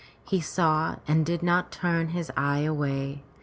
He saw and did not turn his eye away.